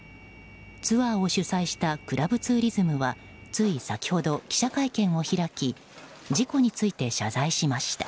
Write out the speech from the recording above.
ツアーを主催したクラブツーリズムはつい先ほど記者会見を開き事故について謝罪しました。